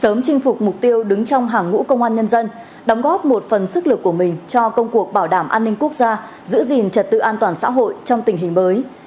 sớm chinh phục mục tiêu đứng trong hàng ngũ công an nhân dân đóng góp một phần sức lực của mình cho công cuộc bảo đảm an ninh quốc gia giữ gìn trật tự an toàn xã hội trong tình hình mới